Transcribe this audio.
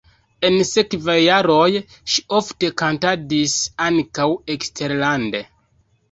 En la sekvaj jaroj ŝi ofte kantadis ankaŭ eksterlande.